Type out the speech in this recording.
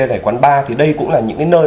để quán bar thì đây cũng là những nơi